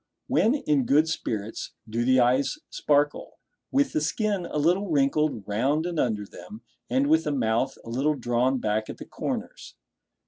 When in good spirits do the eyes sparkle, with the skin a little wrinkled round and under them, and with the mouth a little drawn back at the corners?